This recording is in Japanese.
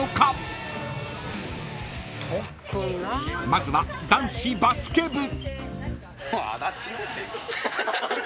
［まずは男子バスケ部］